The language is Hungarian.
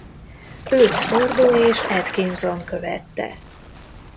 Őt Sordo és Atkinson követte.